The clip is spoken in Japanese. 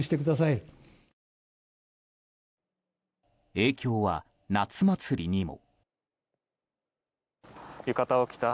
影響は、夏祭りにも。